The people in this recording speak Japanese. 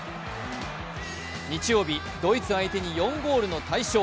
日曜日、ドイツ相手に４ゴールの大勝。